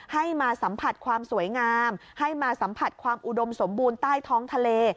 ให้มาสัมผัสความสวยงามให้มาสัมผัสความอุดมสมบูรณ์ใต้ท้องทะเล